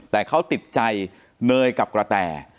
แต่เขาติดใจเนยกับกระแต่